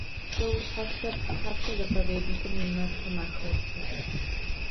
Псэушъхьэ лъэпкъ тхьапша заповедникым имэзхэм ахэсыр?